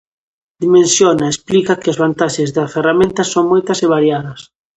Dimensiona explica que as vantaxes da ferramenta son moitas e variadas.